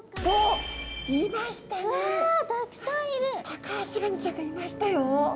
タカアシガニちゃんがいましたよ。